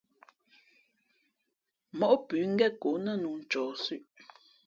Móʼ pʉ̌ ngén kǒ nά nǔ ncααhsʉ̄ʼ.